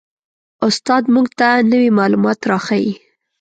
استاد موږ ته نوي معلومات را ښیي